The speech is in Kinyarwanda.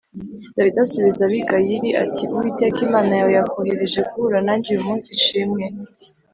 Dawidi asubiza Abigayili ati “Uwiteka Imana yawe yakohereje guhura nanjye uyu munsi, ishimwe.